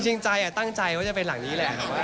จริงใจตั้งใจว่าจะเป็นหลังนี้แหละ